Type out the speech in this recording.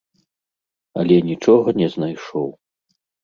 Але нічога не знайшоў.